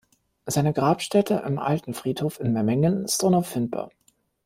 Seine Grabstätte im Alten Friedhof in Memmingen ist unauffindbar.